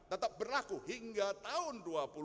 tetap berlaku hingga tahun dua ribu dua puluh